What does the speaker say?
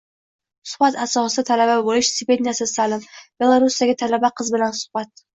Suhbat asosida talaba bo‘lish, stipendiyasiz ta'lim – Belarusdagi talaba qiz bilan suhbat